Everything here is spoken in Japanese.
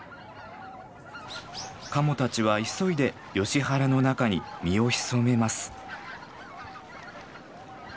カモたちは急いでヨシ原の中に身を潜めます。